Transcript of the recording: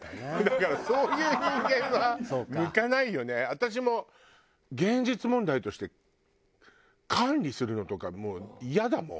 私も現実問題として管理するのとかもうイヤだもん。